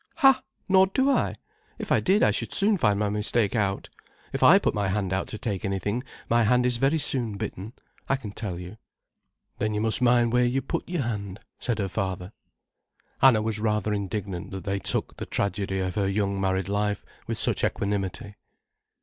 "Ha—nor do I. If I did I should soon find my mistake out. If I put my hand out to take anything, my hand is very soon bitten, I can tell you." "Then you must mind where you put your hand," said her father. Anna was rather indignant that they took the tragedy of her young married life with such equanimity.